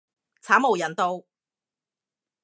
慘無人道